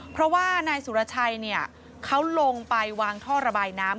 เพราะว่านายสุรชัยเขาลงไปวางท่อระบายน้ำ